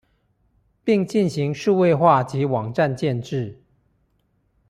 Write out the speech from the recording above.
並進行數位化及網站建置